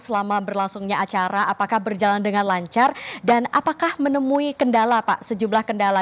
selama berlangsungnya acara apakah berjalan dengan lancar dan apakah menemui kendala pak sejumlah kendala